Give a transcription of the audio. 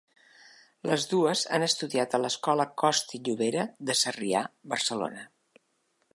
Les dues han estudiat a l'Escola Costa i Llobera de Sarrià, Barcelona.